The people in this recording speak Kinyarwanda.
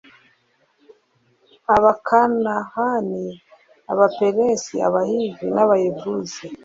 abakanahani, abaperezi, abahivi n'abayebuzi